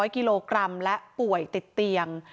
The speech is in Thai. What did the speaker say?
๐กิโลกรัมและป่วยติดเตียง